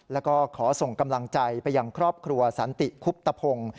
แล้วก็ขอส่งกำลังใจไปยังครอบครัวสันติคุบตะพงศ์